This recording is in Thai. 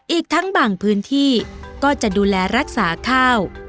อีกทั้งบางพื้นที่ก็จะดูแลรักษาข้าว